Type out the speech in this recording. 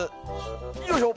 よいしょ！